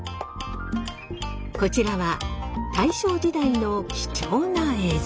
こちらは大正時代の貴重な映像。